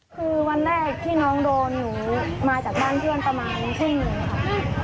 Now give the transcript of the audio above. คือวันแรกที่น้องโดนหนูมาจากบ้านเพื่อนประมาณทุ่มหนึ่งค่ะ